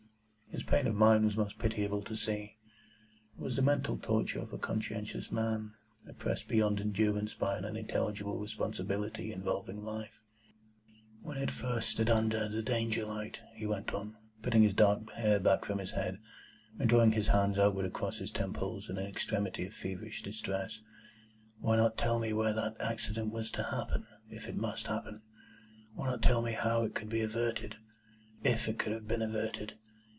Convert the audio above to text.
His pain of mind was most pitiable to see. It was the mental torture of a conscientious man, oppressed beyond endurance by an unintelligible responsibility involving life. "When it first stood under the Danger light," he went on, putting his dark hair back from his head, and drawing his hands outward across and across his temples in an extremity of feverish distress, "why not tell me where that accident was to happen,—if it must happen? Why not tell me how it could be averted,—if it could have been averted?